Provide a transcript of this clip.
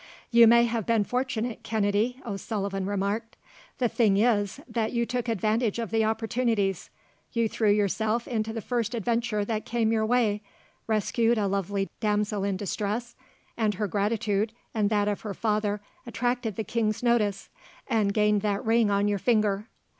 "You may have been fortunate, Kennedy," O'Sullivan remarked. "The thing is, that you took advantage of the opportunities. You threw yourself into the first adventure that came your way, rescued a lovely damsel in distress, and her gratitude and that of her father attracted the king's notice, and gained that ring on your finger.